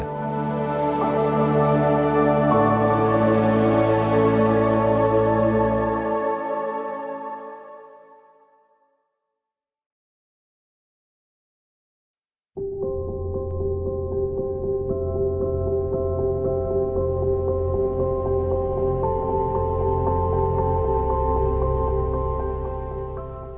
pusat rehabilitasi harimau sumatera